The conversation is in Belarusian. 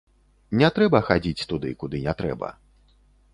Не трэба хадзіць туды, куды не трэба.